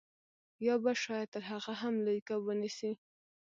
یا به شاید تر هغه هم لوی کب ونیسئ